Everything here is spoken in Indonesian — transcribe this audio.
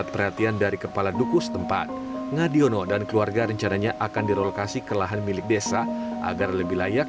pindah tempat dari sini kalau ada memang ke yang lebih layak